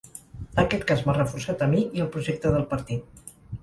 Aquest cas m’ha reforçat a mi i el projecte del partit.